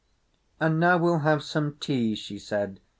"And now we'll have some tea," she said.